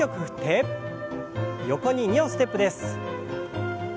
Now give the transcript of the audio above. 横に２歩ステップです。